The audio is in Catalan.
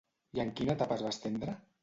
I en quina etapa es va estendre?